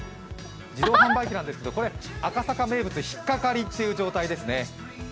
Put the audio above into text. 自動販売機なんですけどこれ、赤坂名物、引っかかりという状態ですね。